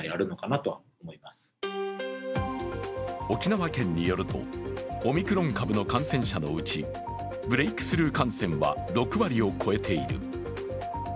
沖縄県によると、オミクロン株の感染者のうち、ブレークスルー感染は６割を超えている。